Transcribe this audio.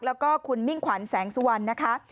แล้วก็คุณมิ่งขวัญแสงสุวรรณนะคะ